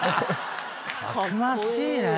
たくましいね。